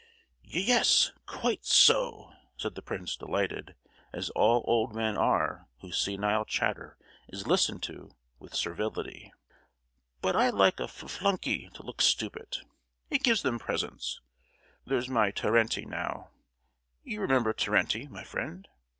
"Ye—yes! quite so!" said the prince, delighted—as all old men are whose senile chatter is listened to with servility. "But I like a fl—flunky to look stupid; it gives them presence. There's my Terenty, now. You remember Terenty, my friend?